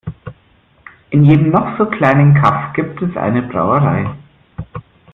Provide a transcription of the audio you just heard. In jedem noch so kleinen Kaff gibt es eine Brauerei.